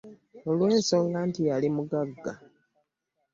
Olw'ensonga nti yali mugagga.